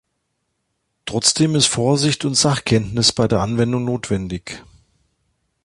Trotzdem ist Vorsicht und Sachkenntnis bei der Anwendung notwendig.